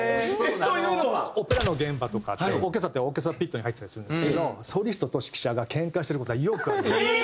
オペラの現場とかってオーケストラってオーケストラピットに入ってたりするんですけどソリストと指揮者がけんかしてる事はよくあります。